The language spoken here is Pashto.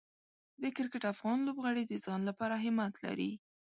د کرکټ افغان لوبغاړي د ځان لپاره همت لري.